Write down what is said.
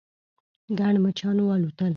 ګڼ مچان والوتل.